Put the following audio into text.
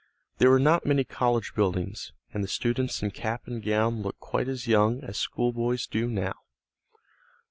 There were not many college buildings, and the students in cap and gown looked quite as young as schoolboys do now.